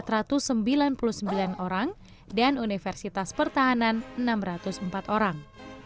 rindam enam jalan jalan jalan dan universitas pertahanan enam ratus empat orang